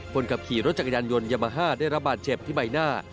คนขับขี่รถจักรยานยนต์ยามาฮ่าได้รับบาดเจ็บที่ใบหน้า